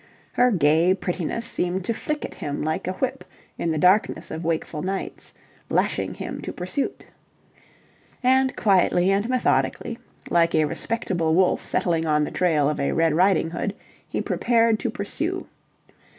Her gay prettiness seemed to flick at him like a whip in the darkness of wakeful nights, lashing him to pursuit. And quietly and methodically, like a respectable wolf settling on the trail of a Red Riding Hood, he prepared to pursue.